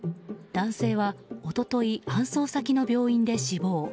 男性は、一昨日搬送先の病院で死亡。